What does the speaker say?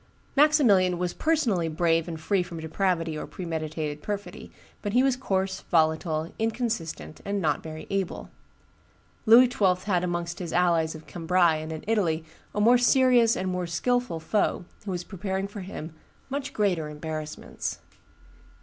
Maximilian was personally brave and free from depravity or premeditated perfidy, but he was coarse, volatile, inconsistent, and not very able. Louis XII. had amongst his allies of Cambrai and in Italy a more serious and more skilful foe, who was preparing for him much greater embarrassments.